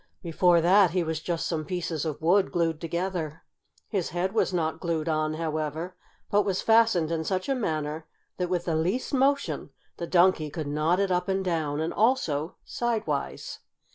Before that he was just some pieces of wood, glued together. His head was not glued on, however, but was fastened in such a manner that with the least motion the Donkey could nod it up and down, and also sidewise.